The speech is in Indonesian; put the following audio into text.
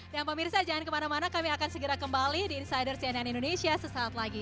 dan pemirsa jangan kemana mana kami akan segera kembali di insider cnn indonesia sesaat lagi